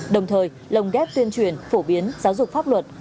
đồng thời lồng ghép tuyên truyền phổ biến giáo dục pháp luật